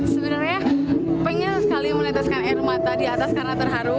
sebenarnya pengen sekali meneteskan air mata di atas karena terharu